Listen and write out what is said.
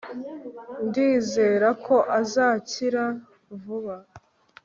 Ndizera ko azakira vuba